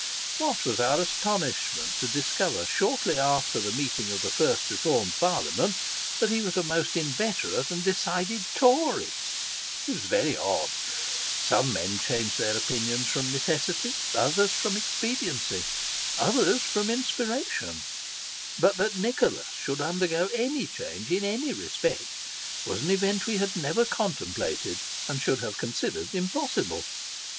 What was our astonishment to discover shortly after the meeting of the first reformed Parliament, that he was a most inveterate and decided Tory ! It was very odd : some men change their opinions from necessity, others from expediency, others from inspiration ; but that Nicholas should undergo 1 1 8 Sketches by Boz. any change in any respect, was an event we had never contemplated, and should have considered impossible.